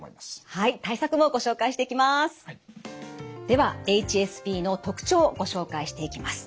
ではＨＳＰの特徴ご紹介していきます。